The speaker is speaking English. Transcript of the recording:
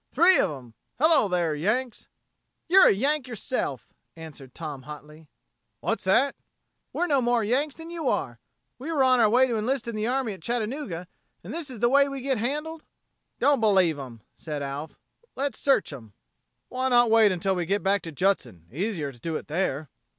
"Three of 'em. Hello there, Yanks." "You're a Yank yourself," answered Tom hotly. "What's that?" "We're no more Yanks than you are. We were on our way to enlist in the army at Chattanooga, and this is the way we get handled." "Don't believe 'em," said Alf. "Let's search 'em." "Why not wait until we get back to Judson? Easier to do it there."